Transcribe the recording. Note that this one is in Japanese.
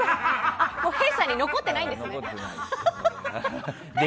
弊社に残ってないんですね。